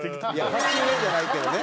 鉢植えじゃないけどね。